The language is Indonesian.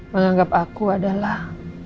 menganggap aku adalah